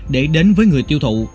để đến với người tiêu thụ